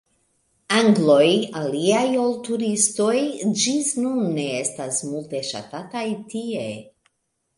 Angloj, aliaj ol turistoj, ĝis nun ne estas multe ŝatataj tie.